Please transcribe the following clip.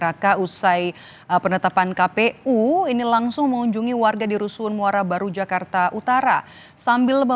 atas penetapannya sebagai wakil presiden terpilih